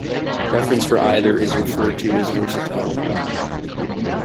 Preference for either is referred to as "versatile".